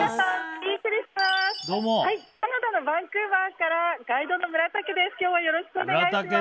カナダのバンクーバーからガイドの村武です。